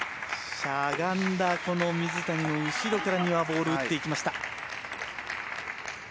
しゃがんだこの水谷の後ろから丹羽が打っていきました。